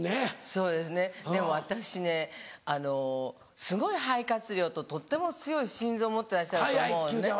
そうですねでも私ねすごい肺活量ととっても強い心臓持ってらっしゃると思うのね。